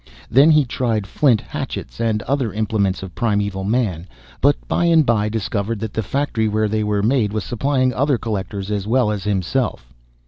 Then he tried flint hatchets and other implements of Primeval Man, but by and by discovered that the factory where they were made was supplying other collectors as well as himself.